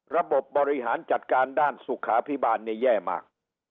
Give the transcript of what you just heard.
ระบบบริหารจัดการด้านสุขภิบาลไม่แย่มาก